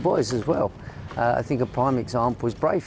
saya pikir contoh utama adalah brave